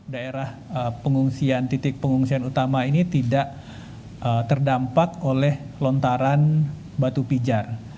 daerah pengungsian titik pengungsian utama ini tidak terdampak oleh lontaran batu pijar